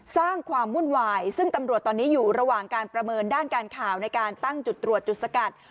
สร้างความวุ่นวายซึ่งตำรวจตอนนี้อยู่ระหว่างการประเมินด้านการข่าวในการตั้งจุดตรวจจุดสกัด